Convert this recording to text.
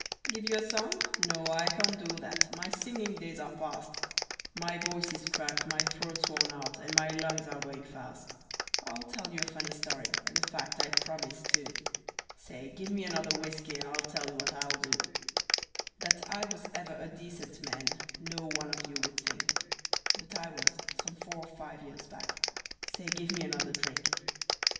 Give you a song? No, I can't do that; my singing days are past; My voice is cracked, my throat's worn out, and my lungs are going fast. "I'll tell you a funny story, and a fact, I promise, too. Say! Give me another whiskey, and I'll tell what I'll do That I was ever a decent man not one of you would think; But I was, some four or five years back. Say, give me another drink.